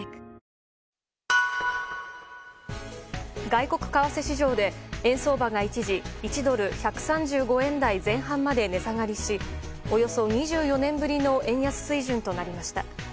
外国為替市場で円相場が一時１ドル＝１３５円台前半まで値下がりしおよそ２４年ぶりの円安水準となりました。